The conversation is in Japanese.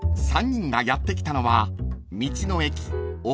［３人がやって来たのは］